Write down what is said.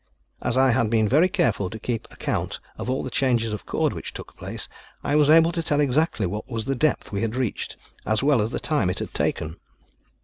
As I had been very careful to keep account of all the changes of cord which took place, I was able to tell exactly what was the depth we had reached, as well as the time it had taken.